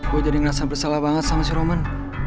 gue jadi ngerasa bersalah banget sama si roman